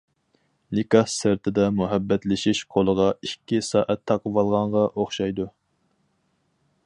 نىكاھ سىرتىدا مۇھەببەتلىشىش قولىغا ئىككى سائەت تاقىۋالغانغا ئوخشايدۇ.